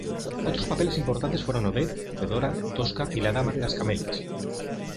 Otros papeles importantes fueron "Odette", "Fedora", "Tosca" y "La dama de las camelias".